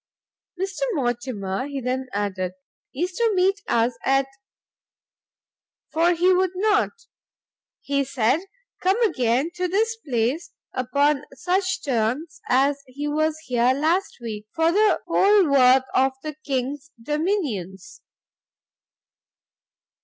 "Mr Mortimer," he then added, "is to meet us at for he would not, he said, come again to this place, upon such terms as he was here last week, for the whole worth of the king's dominions."